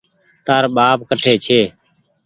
تآر ٻآپ ڪٺي ڇي